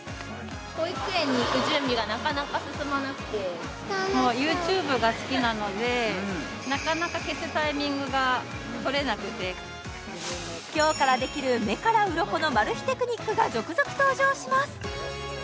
保育園に行く準備がなかなか進まなくてなかなか消すタイミングがとれなくて今日からできる目からうろこのマル秘テクニックが続々登場します！